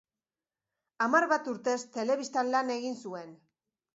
Hamar bat urtez telebistan lan egin zuen.